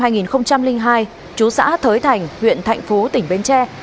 nguyễn khánh duyên sinh năm hai nghìn hai chú xã thới thành huyện thạnh phú tỉnh bến tre